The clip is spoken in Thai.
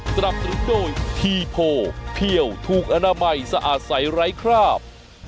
สนับสนุนโดยทีโพเพี่ยวถูกอนามัยสะอาดใสไร้คราบ